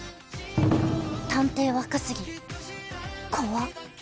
探偵若杉怖っ